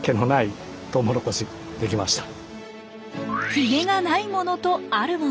ヒゲがないものとあるもの。